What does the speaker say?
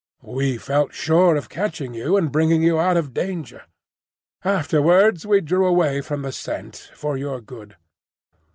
"We felt sure of catching you, and bringing you out of danger. Afterwards we drew away from the scent, for your good."